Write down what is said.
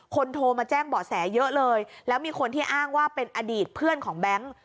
โทรมาแจ้งเบาะแสเยอะเลยแล้วมีคนที่อ้างว่าเป็นอดีตเพื่อนของแบงค์